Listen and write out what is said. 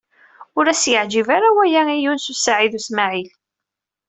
Ur as-yeɛǧib ara waya i Yunes u Saɛid u Smaɛil.